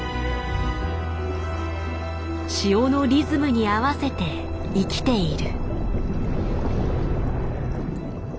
潮のリズムに合わせて生きている。